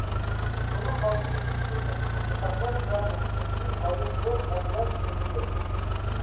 بۇنىڭ ئالدىنى ئېلىش ئۈچۈن مۇقىملىقنى ساقلاش ۋە مۇقىملىق ئۈچۈن غايەت زور مەبلەغ كېتىدۇ.